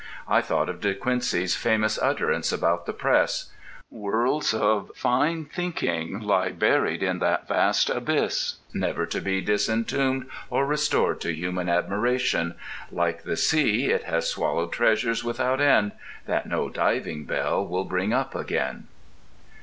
I thought of De Quincey's famous utterance about the press: Worlds of fine thinking lie buried in that vast abyss, never to be disentombed or restored to human admiration. Like the sea, it has swallowed treasures without end, that no diving bell will bring up again.